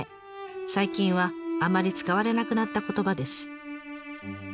最近はあまり使われなくなった言葉です。